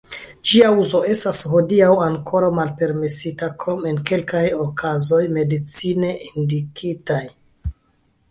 Ĝia uzo estas hodiaŭ ankoraŭ malpermesita krom en kelkaj okazoj medicine indikitaj.